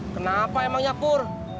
kenapa emangnya pur